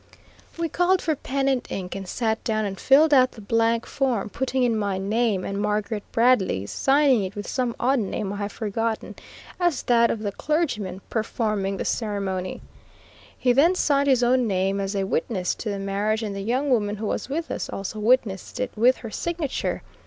We called for pen and ink and he sat down and filled out the blank form putting in my name and Margaret Bradley's, signing it with some odd name I have forgotten as that of the clergyman performing the ceremony. He then signed his own name as a witness to the marriage, and the young woman who was with us also witnessed it with her signature.